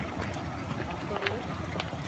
Hastalığı?